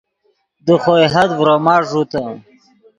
دے خوئے حد ڤروما ݱوتے